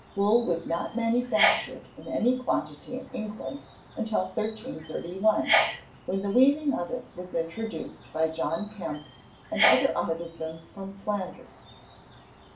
Wool was not manufactured in any quantity in England until 1331, when the weaving of it was introduced by John Kempe and other artizans from Flanders.